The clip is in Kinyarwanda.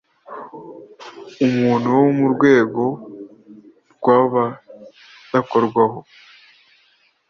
umuntu wo mu rwego rw’abadakorwaho